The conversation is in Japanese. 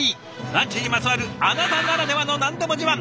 ランチにまつわるあなたならではの何でも自慢。